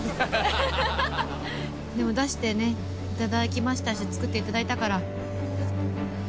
でも出していただきましたし作っていただいたから。